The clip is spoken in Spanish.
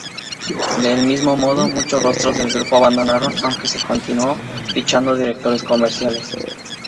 Del mismo modo, muchos rostros del grupo abandonaron, aunque se continuó fichando directores comerciales.